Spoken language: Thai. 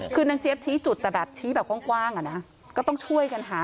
คือนางเจี๊ยบชี้จุดแต่แบบชี้แบบกว้างอ่ะนะก็ต้องช่วยกันหา